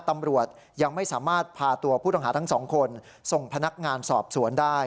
ตำรวจยังไม่สามารถพาตัวผู้ต้องหาทั้งสองคนส่งพนักงานสอบสวนได้